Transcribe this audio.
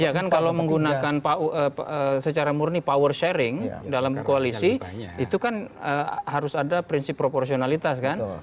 iya kan kalau menggunakan secara murni power sharing dalam koalisi itu kan harus ada prinsip proporsionalitas kan